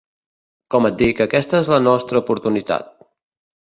Com et dic, aquesta és la nostra oportunitat.